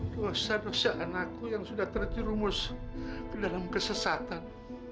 dosa dosa anakku yang sudah terjerumus ke dalam kesesatan